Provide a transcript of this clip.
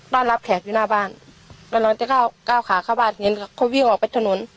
รับแขกอยู่หน้าบ้านแล้วเราจะก้าวก้าวขาเข้าบ้านเห็นเขาวิ่งออกไปถนน